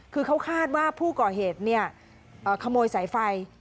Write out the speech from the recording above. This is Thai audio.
คือเขาคาดว่าผู้ก่อเหตุขโมยสายไฟ